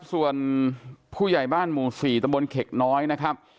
ส่วนผู้ใหญ่บ้านหมู่๔ตะบนเข็กน้อยนะครับ